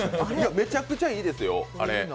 めちゃくちゃいいですよ、あれ。